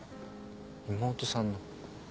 妹さんの。